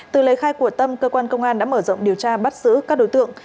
từ lấy khai của tâm cơ quan công an đã mở rộng điều tra bắt giữ các đối tượng